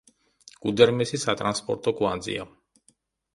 გუდერმესი სატრანსპორტო კვანძია.